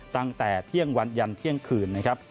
ตั้งแต่เที่ยงวันยันเที่ยงคืนนะครับ